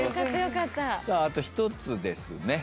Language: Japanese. さああと１つですね。